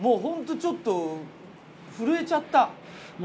もう本当にちょっと震えちゃった。